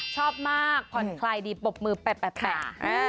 ชอบมากผ่อนคลายดีปรบมือแปบ